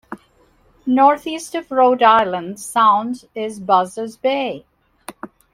Northeast of Rhode Island Sound is Buzzards Bay.